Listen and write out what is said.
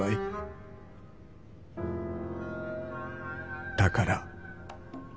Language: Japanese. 心の声だから。